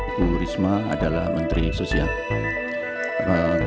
ibu risma adalah menteri sosial